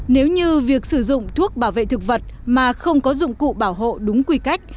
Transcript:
nếu như việc sử dụng thuốc bảo vệ thực vật mà không có dụng cụ bảo hộ đúng quy cách